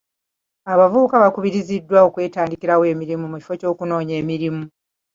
Abavubuka baakubiriziddwa okwetandikirawo emirimu mu kifo ky'okunoonya emirimu.